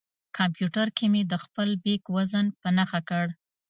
کمپیوټر کې مې د خپل بیک وزن په نښه کړ.